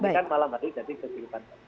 ini kan malam tadi jadi kesulitan